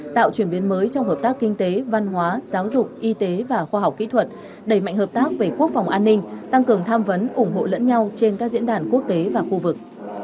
tạo chuyển biến mới trong hợp tác kinh tế văn hóa giáo dục y tế và khoa học kỹ thuật đẩy mạnh hợp tác về quốc phòng an ninh tăng cường tham vấn ủng hộ lẫn nhau trên các diễn đàn quốc tế và khu vực